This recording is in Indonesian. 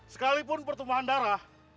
sekalipun pertumbuhan darah